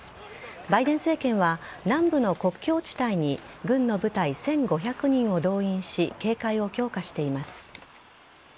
バイデン政権は南部の国境地帯に軍の部隊１５００人を動員し警戒を強化しています。